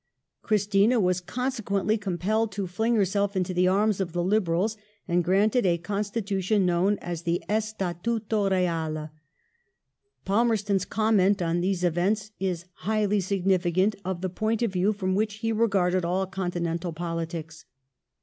Christina was conse quently compelled to fling herself into the arms of the Liberals, and granted a constitution known as the Estatuto Real. Palmer ston's comment on these events is highly significant of the point of view from which he regarded all continental politics.